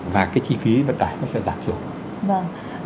và cái chi phí vận tải sẽ giảm xuống